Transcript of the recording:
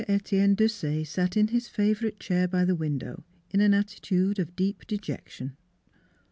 XXIX METIENNE DESAYE sat in his fa vorite chair by the window in an atti tude of deep dejection.